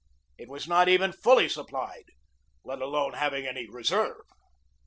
It was not even fully supplied, let alone having any reserve.